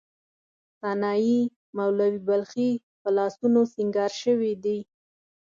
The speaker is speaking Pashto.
سنايي، مولوی بلخي په لاسونو سینګار شوې دي.